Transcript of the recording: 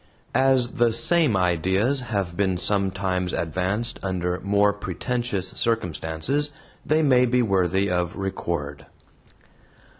As the same ideas have been sometimes advanced under more pretentious circumstances they may be worthy of record.